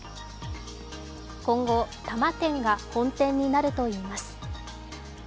今後、多摩店が本店になるといいます。